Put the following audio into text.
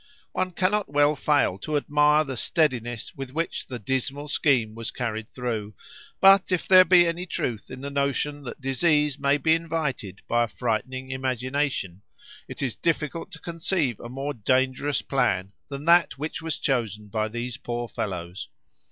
One cannot well fail to admire the steadiness with which the dismal scheme was carried through; but if there be any truth in the notion that disease may be invited by a frightening imagination, it is difficult to conceive a more dangerous plan than that which was chosen by these poor fellows.